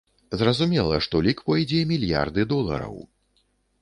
Зразумела, што лік пойдзе мільярды долараў!